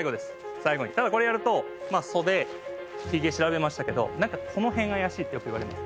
最後にただこれやると袖ヒゲ調べましたけど何かこの辺が怪しいってよく言われます。